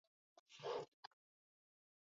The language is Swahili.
na Ladoga na Onega ambayo ni kati ya